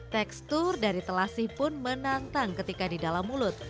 tekstur dari telasi pun menantang ketika di dalam mulut